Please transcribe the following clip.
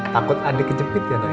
takut ada kejepit ya dayang